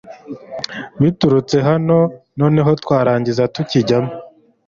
baturutse hano noneho twarangiza tukijyamo